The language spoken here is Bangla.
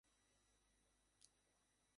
শচীশ বলিল, হাঁ, আমি নাস্তিক।